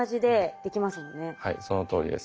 はいそのとおりです。